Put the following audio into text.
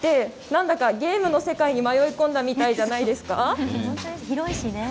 なんだかゲームの世界に迷い込んだみたいじゃないですか。